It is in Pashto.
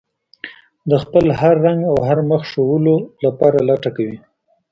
د خپل هر رنګ او هر مخ ښودلو لپاره لټه کوي.